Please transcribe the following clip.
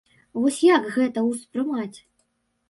Вось як гэта ўспрымаць?